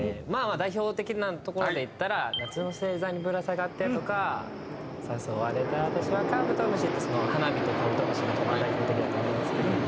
代表的なところでいったら「夏の星座にぶらさがって」とか「誘われたあたしはかぶとむし」って『花火』と『カブトムシ』が多分代表的だと思うんですけど。